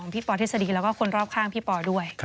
พี่ปอเนเทศดีและคนรอบข้างพี่ปอด้วย